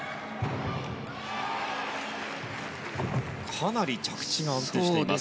かなり着地が安定しています。